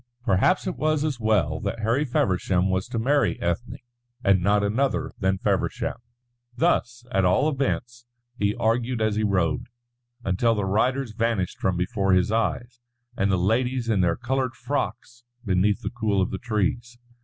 Perhaps it was as well that Harry Feversham was to marry Ethne and not another than Feversham. Thus, at all events, he argued as he rode, until the riders vanished from before his eyes, and the ladies in their coloured frocks beneath the cool of the trees.